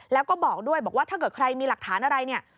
แล้วก็บอกด้วยบอกว่าถ้าเกิดใครมีหลักฐานอะไรเนี่ย